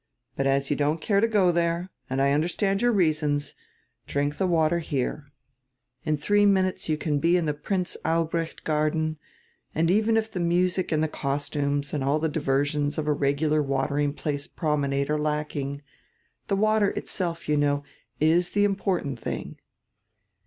But as you don't care to go there — and I understand your reasons — drink die water here. In diree minutes you can he in die Prince Al brecht Garden, and even if die music and die costumes and all die diversions of a regular watering place promenade are lacking, die water itself, you know, is die important diing."